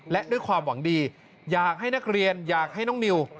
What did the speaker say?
และด้วยความหวังดีอยากให้นักเรียนอยากให้น้องนิว